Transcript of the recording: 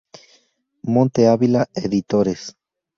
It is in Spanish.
Monte Avila Editores.